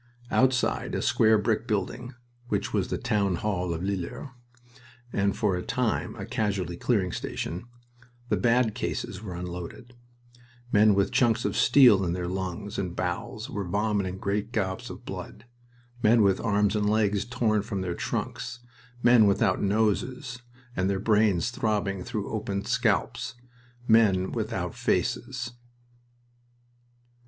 Outside a square brick building, which was the Town Hall of Lillers, and for a time a casualty clearing station, the "bad" cases were unloaded; men with chunks of steel in their lungs and bowels were vomiting great gobs of blood, men with arms and legs torn from their trunks, men without noses, and their brains throbbing through opened scalps, men without faces...